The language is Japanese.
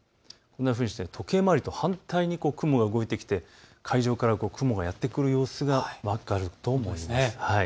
時計回りと反対に雲が動いてきて海上から雲がやって来る様子が分かると思います。